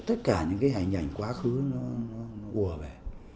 tất cả những cái hành ảnh quá khứ nó ủa vẻ